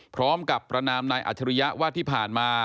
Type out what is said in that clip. พร้อมกับประนามนายอัชริยะว่าที่ผ่านมา